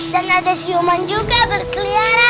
dan ada siuman juga berkeliara